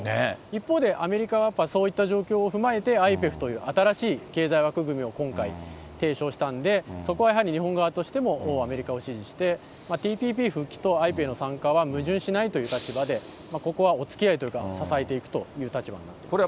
一方でアメリカは、やっぱりそういった状況を踏まえて、アイペフという新しい経済枠組みを今回、提唱したんで、そこはやはり日本側としてもアメリカを支持して、ＴＰＰ復帰とアイペフの参加というのは矛盾しないという立場でここはおつきあいというか、支えていくという立場になると思います。